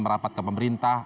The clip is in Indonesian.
merapat ke pemerintah